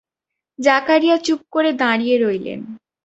জাকারিয়া চুপ করে দাঁড়িয়ে রইলেন।